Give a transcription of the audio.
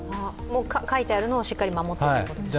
書いてあるのをしっかり守ってということですね。